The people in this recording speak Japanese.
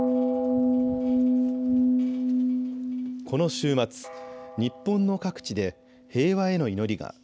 この週末日本の各地で平和への祈りが。